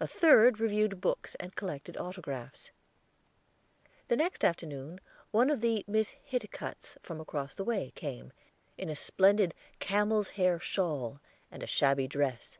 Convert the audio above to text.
A third reviewed books and collected autographs. The next afternoon one of the Miss Hiticutts from across the way came, in a splendid camel's hair shawl and a shabby dress.